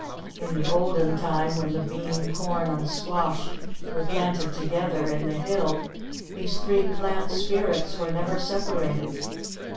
In the olden time when the bean, corn, and squash were planted together in the hill these three plant spirits were never separated.